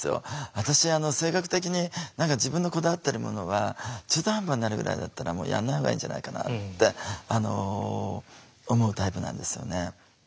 私性格的に自分のこだわってるものは中途半端になるぐらいだったらやんないほうがいいんじゃないかなって思うタイプなんですよね。